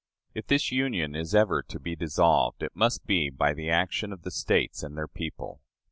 If this Union is ever to be dissolved, it must be by the action of the States and their people.